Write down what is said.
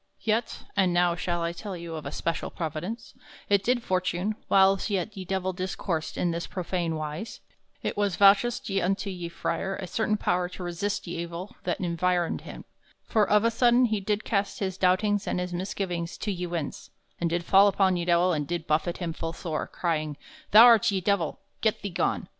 Yet (and now shall I tell you of a special Providence) it did fortune, whiles yet ye Divell discoursed in this profane wise, there was vouchsafed unto ye frere a certain power to resist ye evill that environed him; for of a sodaine he did cast his doubtings and his misgivings to ye winds, and did fall upon ye Divell and did buffet him full sore, crying, "Thou art ye Divell! Get thee gone!"